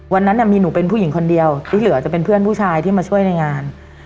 วันนั้นมีหนูเป็นผู้หญิงคนเดียวที่เหลือจะเป็นเพื่อนผู้ชายที่มาช่วยในงาน